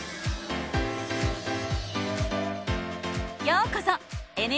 ようこそ！